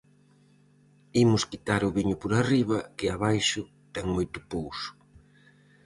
Imos quitar o viño por arriba, que abaixo ten moito pouso.